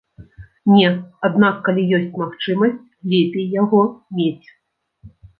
Не, аднак калі ёсць магчымасць, лепей яго мець.